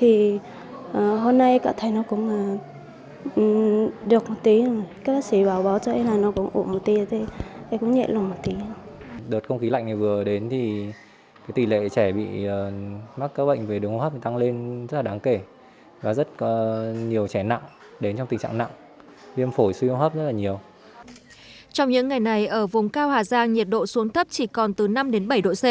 trong những ngày này ở vùng cao hà giang nhiệt độ xuống thấp chỉ còn từ năm đến bảy độ c